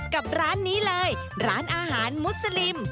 กับร้านนี้เลยร้านอาหารมุสลิม